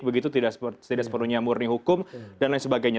begitu tidak sepenuhnya murni hukum dan lain sebagainya